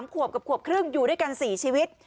ขวบกับขวบครึ่งอยู่ด้วยกัน๔ชีวิต